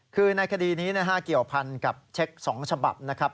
คือในคดีนี้นะฮะเกี่ยวพันกับเช็ค๒ฉบับนะครับ